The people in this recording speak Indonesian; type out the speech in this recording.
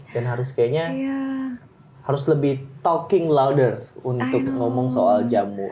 dan harus kayaknya harus lebih talking louder untuk ngomong soal jamu